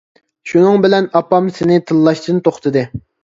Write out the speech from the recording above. شۇنىڭ بىلەن ئاپام سىنى تىللاشتىن توختىدى.